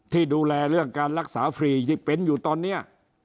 ที่ดูแลเรื่องการรักษาฟรีที่เป็นอยู่ตอนนี้